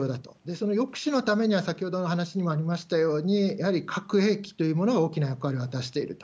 その抑止のためには、先ほどの話にもありましたように、やはり核兵器というものが大きな役割を果たしていると。